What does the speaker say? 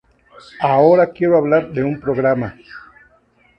Ahora quiero hablar de un programa